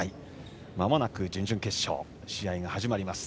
まもなく準々決勝試合が始まります。